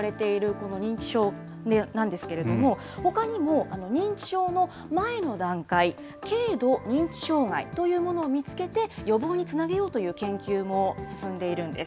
この認知症なんですけれども、ほかにも認知症の前の段階、軽度認知障害というものを見つけて、予防につなげようという研究も進んでいるんです。